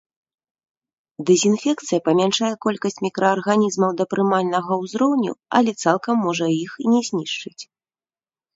Дэзінфекцыя памяншае колькасць мікраарганізмаў да прымальнага ўзроўню, але цалкам можа іх і не знішчыць.